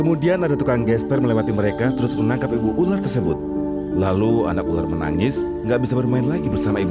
masih kurang yang lebih sedih lagi